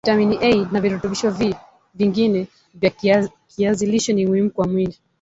viatamin A na virutubisho v ingine vya kiazi lishe ni muhimu kwa mwili